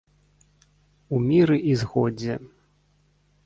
У міры і згодзе.